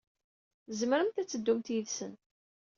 Tzemremt ad teddumt yid-sen.